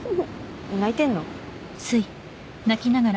泣いてんの？